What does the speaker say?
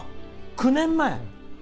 ９年前？